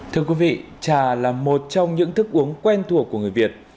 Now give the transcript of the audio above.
thưa quý vị trà là một trong những thức uống quen thuộc của người việt